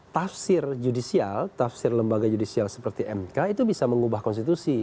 tafsir judicial tafsir lembaga judicial seperti mk itu bisa mengubah konstitusi